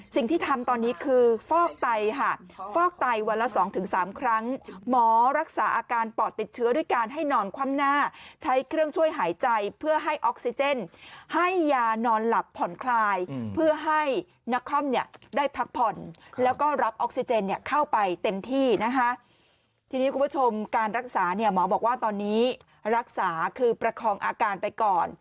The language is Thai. สิ่งที่ทำตอนนี้คือฟอกไตค่ะฟอกไตวันละสองถึงสามครั้งหมอรักษาอาการปอดติดเชื้อด้วยการให้นอนคว่ำหน้าใช้เครื่องช่วยหายใจเพื่อให้ออกซิเจนให้ยานอนหลับผ่อนคลายเพื่อให้นักคอมเนี่ยได้พักผ่อนแล้วก็รับออกซิเจนเนี่ยเข้าไปเต็มที่นะคะทีนี้คุณผู้ชมการรักษาเนี่ยหมอบอกว่าตอนนี้รักษาคือประคองอาการไปก่อน